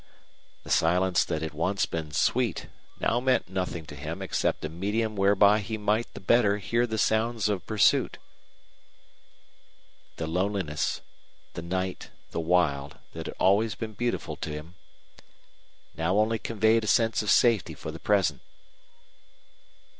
The silence that had once been sweet now meant nothing to him except a medium whereby he might the better hear the sounds of pursuit. The loneliness, the night, the wild, that had always been beautiful to him, now only conveyed a sense of safety for the present.